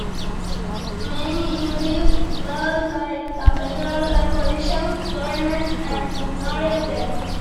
Many Innu felt like the federal and provincial governments had ignored them.